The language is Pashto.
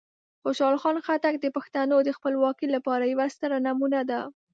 خوشحال خان خټک د پښتنو د خپلواکۍ لپاره یوه ستره نمونه ده.